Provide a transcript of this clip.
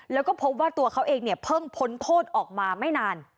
แล้วก็พบว่าตัวเขาเองเนี่ยเพิ่งพ้นโทษออกมาไม่นาน